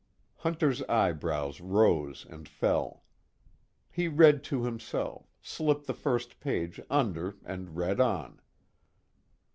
Hunter's eyebrows rose and fell. He read to himself, slipped the first page under and read on.